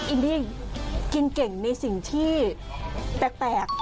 อินดี้กินเก่งในสิ่งที่แปลก